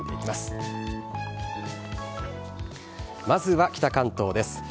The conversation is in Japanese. まずは北関東です。